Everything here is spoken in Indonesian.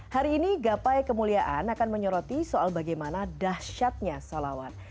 hari ini gapai kemuliaan akan menyoroti soal bagaimana dahsyatnya salawat